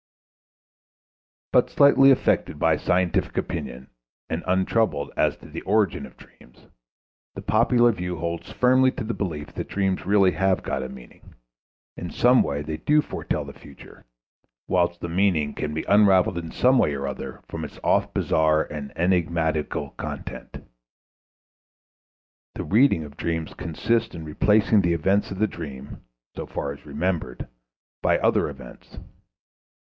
But slightly affected by scientific opinion and untroubled as to the origin of dreams, the popular view holds firmly to the belief that dreams really have got a meaning, in some way they do foretell the future, whilst the meaning can be unravelled in some way or other from its oft bizarre and enigmatical content. The reading of dreams consists in replacing the events of the dream, so far as remembered, by other events.